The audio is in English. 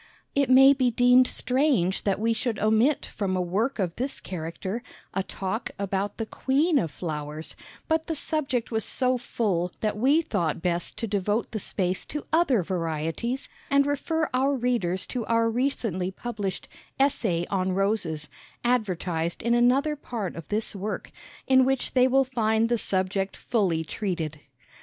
It may be deemed strange that we should omit from a work of this character a "Talk" about the Queen of Flowers, but the subject was so full that we thought best to devote the space to other varieties and refer our readers to our recently published "Essay on Roses," advertised in another part of this work in which they will find the subject fully treated.